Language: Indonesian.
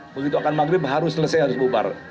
begitu akan maghrib harus selesai harus bubar